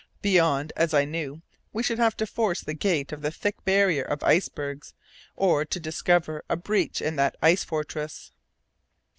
Beyond, as I knew, we should have to force the gate of the thick barrier of icebergs, or to discover a breach in that ice fortress.